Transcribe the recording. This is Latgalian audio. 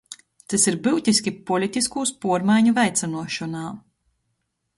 Tys ir byutiski politiskūs puormaiņu veicynuošonā.